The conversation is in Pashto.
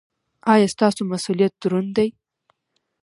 ایا ستاسو مسؤلیت دروند دی؟